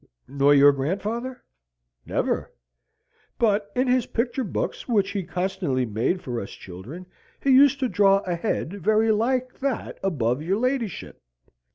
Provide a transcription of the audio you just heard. "Nor your grandfather?" "Never. But in his picture books, which he constantly made for us children, he used to draw a head very like that above your ladyship.